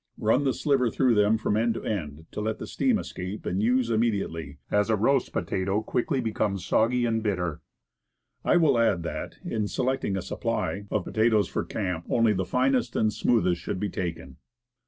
Run the sliver through them from end to end, to let the steam ioo Woodcraft. escape, and use immediately, as a roast potato quickly becomes soggy and bitter. I will add that, in select ing a supply of potatoes for camp, only the finest and smoothest should be taken.